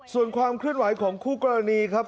ส่วนความเคลื่อนไหวของคู่กรณีครับ